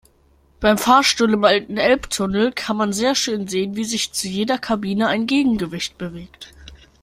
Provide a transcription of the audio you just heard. Beim Fahrstuhl im alten Elbtunnel kann man sehr schön sehen, wie sich zu jeder Kabine ein Gegengewicht bewegt.